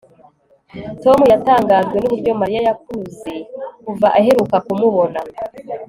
tom yatangajwe nuburyo mariya yakuze kuva aheruka kumubona